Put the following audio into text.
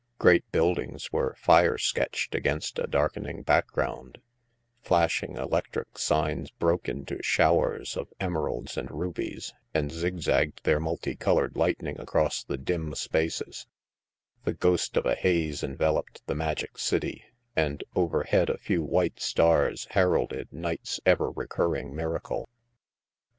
Great build ings were fire sketched against a darkening back ground; flashing electric signs broke into showers of emeralds and rubies and zigzagged their multi colored lightning across the dim spaces; the ghost of a haze enveloped the magic city, and overhead a few white stars heralded night's ever recurring miracle.